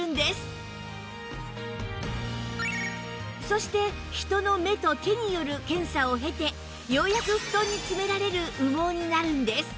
そして人の目と手による検査を経てようやく布団に詰められる羽毛になるんです